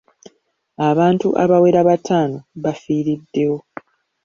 Abantu abawera bataano bafiiriddewo.